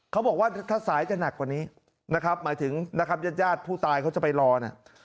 เขาบอกว่าถ้าสายจะหนักกว่านี้นะครับหมายถึงนะครับญาติญาติผู้ตายเขาจะไปรอเนี่ย